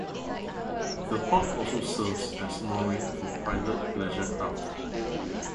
The port also serves as mooring for private pleasure craft.